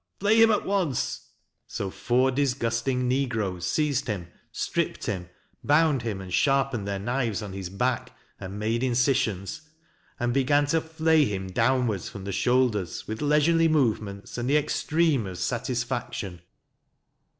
Flay him at once." So four disgust ing negroes seized him, stripped him, bound him, and sharpened their knives on his back, and made incisions, and began to flay him downwards from the shoulders with leisurely movements and the extreme of satisfac tion.